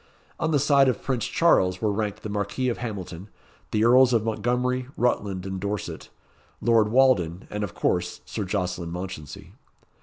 On the side of Prince Charles were ranked the Marquis of Hamilton, the Earls of Montgomery, Rutland, and Dorset, Lord Walden, and, of course, Sir Jocelyn Mounchensey.